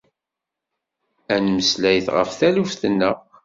Ad nemmeslayet ɣef taluft nneɣ